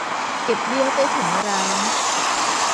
เก็บเบี้ยใต้ถุนร้าน